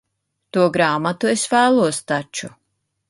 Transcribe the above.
To grāmatu es vēlos taču.